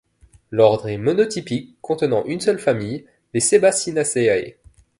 L'ordre est monotypique, contenant une seule famille, les Sebacinaceae.